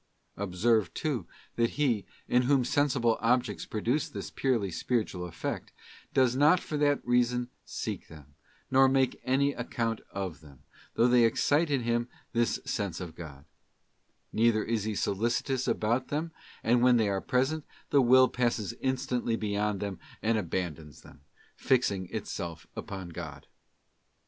Observe, too, that he, in whom sensible objects produce this purely spiritual effect, does not for that reason seek them, nor make any account of them, though they excite in him this sense of God; neither is he solicitous about them; and when they are present, the will passes instantly beyond them and abandons them, fixing itself upon God.